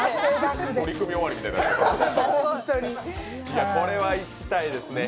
取組終わりみたいになってますね。